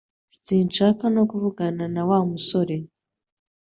Sinshaka no kuvugana na Wa musore